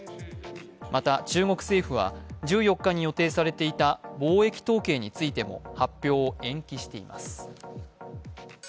また中国政府は１４日に予定されていた貿易統計についても発表を延期しています。